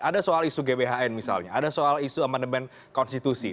ada soal isu gbhn misalnya ada soal isu amandemen konstitusi